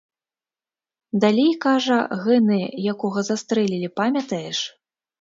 Далей, кажа, гэны, якога застрэлілі, памятаеш?